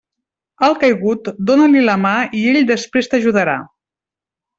Al caigut, dóna-li la mà i ell després t'ajudarà.